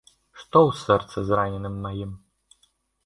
Што ў сэрцы зраненым маім.